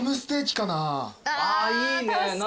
あいいね何？